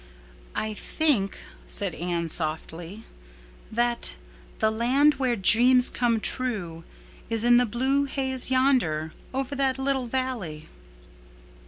"I think," said Anne softly, "that 'the land where dreams come true' is in the blue haze yonder, over that little valley."